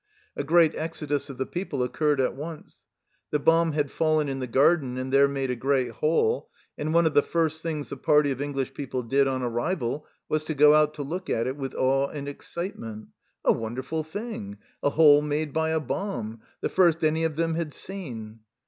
A great exodus of the people occurred at once. The bomb had fallen in the garden and there made a great hole, and one of the first things the party of English people did on arrival was to go out to look at it with awe and excitement a wonderful thing, a hole made by a bomb, the first any of them had seen